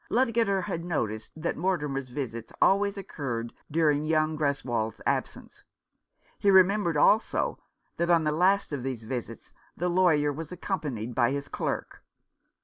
Lud gater had noticed that Mortimer's visits always occurred during young Greswold's absence. He remembered also that on the last of these visits the lawyer was accompanied by his clerk.